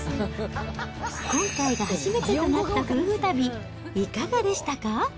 今回が初めてとなった夫婦旅、いかがでしたか？